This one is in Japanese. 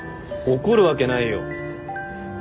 怒るわけないよ。